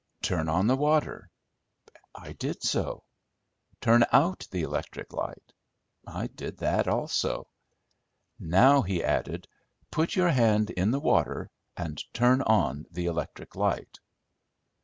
"Turn on the water." I did so. "Turn out the electric light." I did that also. "Now," he added, "put your hand in the water and turn on the electric light."